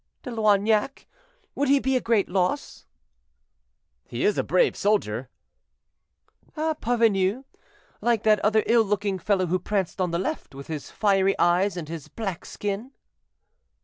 "De Loignac! would he be a great loss?" "He is a brave soldier." "A parvenu, like that other ill looking fellow who pranced on the left, with his fiery eyes and his black skin."